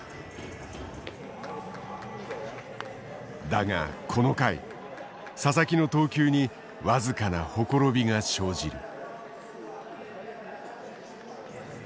だがこの回佐々木の投球に僅かな綻びが生じる。